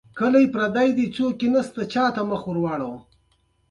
په افغانستان کې مس ډېر اهمیت لري.